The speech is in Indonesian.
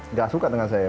nggak suka dengan saya